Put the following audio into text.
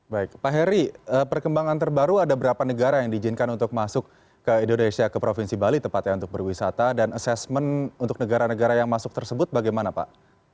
baik pak heri perkembangan terbaru ada berapa negara yang diizinkan untuk masuk ke indonesia ke provinsi bali tepatnya untuk berwisata dan assessment untuk negara negara yang masuk tersebut bagaimana pak